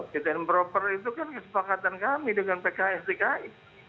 fit and proper test itu kesepakatan kami dengan pks dan tki